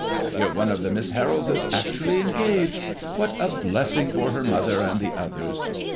I hear one of the Miss Harolds is actually engaged. What a blessing for her mother and the others!